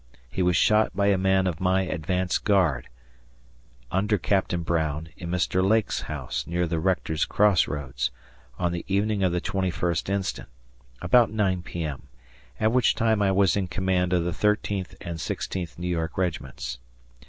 He was shot by a man of my advance guard, under Captain Brown, in Mr. Lake's house, near the Rector's Cross roads, on the evening of the 21st instant.; about 9 P.M.; at which time I was in command of the 13th and 16th New York regiments.